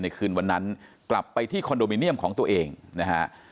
คืนวันนั้นกลับไปที่คอนโดมิเนียมของตัวเองนะฮะ